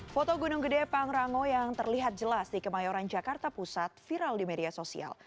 foto gunung gede pangrango yang terlihat jelas di kemayoran jakarta pusat viral di media sosial